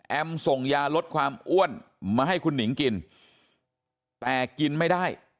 ส่งยาลดความอ้วนมาให้คุณหนิงกินแต่กินไม่ได้